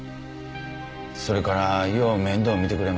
それからよう面倒見てくれまして。